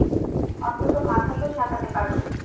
অন্তত মাথা তো ঝাঁকাতে পারো।